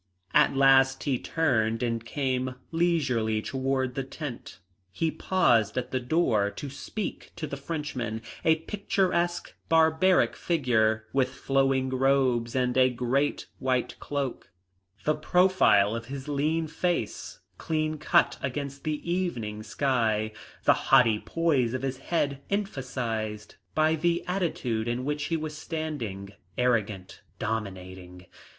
At last he turned and came leisurely towards the tent. He paused at the door to speak to the Frenchman, a picturesque, barbaric figure, with flowing robes and great white cloak, the profile of his lean face clean cut against the evening sky, the haughty poise of his head emphasised by the attitude in which he was standing, arrogant, dominating.